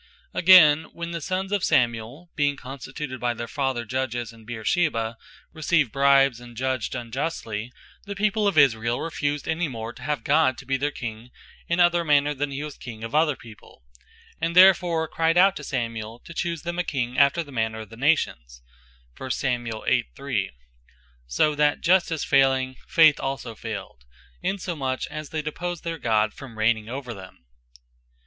Again, when the sons of Samuel, (1 Sam.8.3) being constituted by their father Judges in Bersabee, received bribes, and judged unjustly, the people of Israel refused any more to have God to be their King, in other manner than he was King of other people; and therefore cryed out to Samuel, to choose them a King after the manner of the Nations. So that Justice Fayling, Faith also fayled: Insomuch, as they deposed their God, from reigning over them.